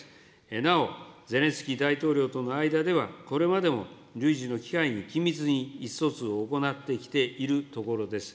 なお、ゼレンスキー大統領との間では、これまでも累次の機会に緊密に意思疎通を行ってきているところです。